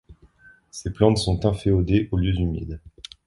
Ces plantes sont inféodées aux lieux humides.